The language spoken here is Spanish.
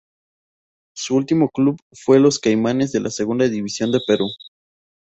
Su último club fue Los Caimanes de la Segunda División de Perú.